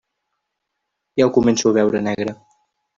Ja ho començo a veure negre.